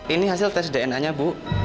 ini hasil tes dna nya bu